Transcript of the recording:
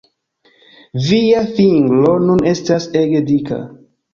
Via fingro nun estas ege dika!